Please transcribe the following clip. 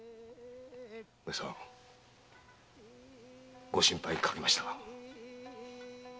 おやっさんご心配かけました。